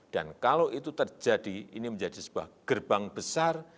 dan kalau itu terjadi ini menjadi sebuah gerbang besar